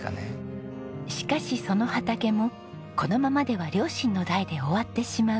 しかしその畑もこのままでは両親の代で終わってしまう。